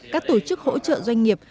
các tổ chức hỗ trợ doanh nghiệp